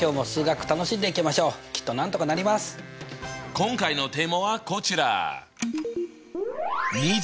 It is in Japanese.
今回のテーマはこちら。